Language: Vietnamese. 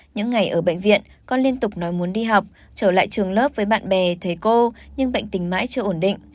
những ngày ở bệnh viện con liên tục nói muốn đi học trở lại trường lớp với bạn bè thầy cô nhưng bệnh tình mãi chưa ổn định